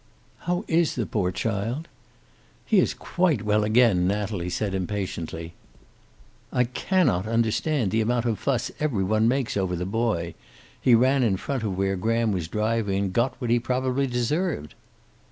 "How is the poor child?" "He is quite well again," Natalie said impatiently "I can not understand the amount of fuss every one makes over the boy. He ran in front of where Graham was driving and got what he probably deserved."